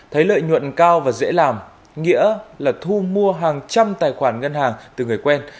thấy lợi nhuận cao và dễ làm nghĩa là thu mua hàng trăm tài khoản ngân hàng từ người quen